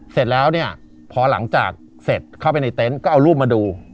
เสร็จแล้วเนี่ยพอหลังจากเสร็จเข้าไปในเต็นต์ก็เอารูปมาดู